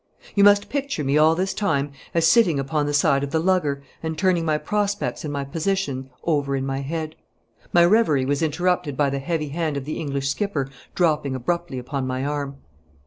You must picture me all this time as sitting upon the side of the lugger and turning my prospects and my position over in my head. My reverie was interrupted by the heavy hand of the English skipper dropping abruptly upon my arm.